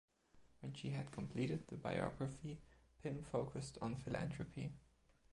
When she had completed the biography Pim focused on philanthropy.